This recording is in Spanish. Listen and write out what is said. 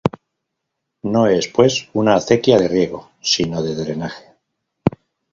No es, pues, una acequia de riego, sino de drenaje.